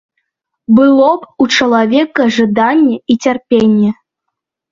Было б у чалавека жаданне і цярпенне.